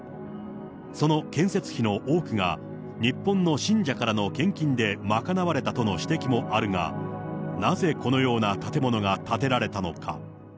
その建設費の多くが日本の信者からの献金で賄われたとの指摘もあるが、なぜこのような建物が建てられたのか。